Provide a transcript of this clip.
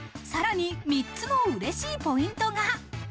さらに３つのうれしいポイントが。